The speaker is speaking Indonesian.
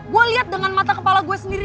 gue liat dengan mata kepala gue sendiri